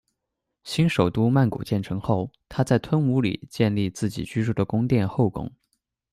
新首都曼谷建成后，他在吞武里建立自己居住的宫殿后宫。